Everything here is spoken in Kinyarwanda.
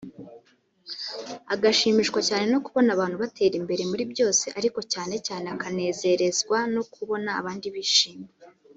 agashimishwa cyane no kubona abantu batera imbere muri byose ariko cyane cyane akanezerezwa no kubona abandi bishimye